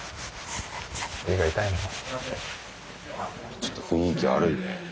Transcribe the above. ちょっと雰囲気悪いねやっぱり。